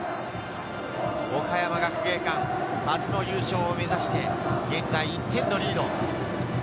岡山学芸館、初の優勝を目指して現在１点のリード。